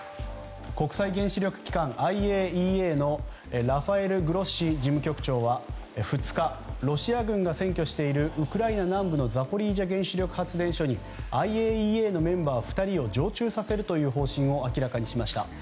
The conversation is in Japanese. ＩＡＥＡ・国際原子力機関ラファエル・グロッシ事務局長は２日、ロシア軍が占拠しているウクライナ南部のザポリージャ原子力発電所にＩＡＥＡのメンバー２人を常駐させるという考えを明らかにしました。